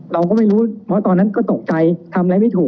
เราก็ไม่รู้เพราะตอนนั้นก็ตกใจทำอะไรไม่ถูก